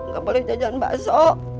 enggak boleh jajan bakso